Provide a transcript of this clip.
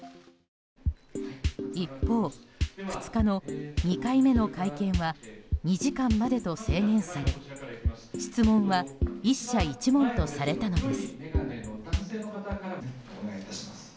一方、２日の２回目の会見は２時間までと制限され質問は１社１問とされたのです。